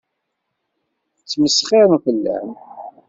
Ttmesxiṛen fell-am.